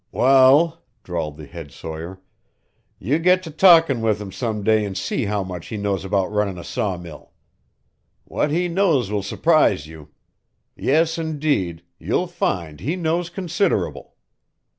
"Wa ll," drawled the head sawyer, "you git to talkin' with him some day an' see how much he knows about runnin' a sawmill. What he knows will surprise you. Yes, indeed, you'll find he knows considerable.